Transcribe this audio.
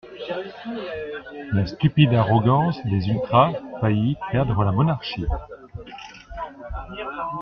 La stupide arrogance des ultras faillit perdre la monarchie!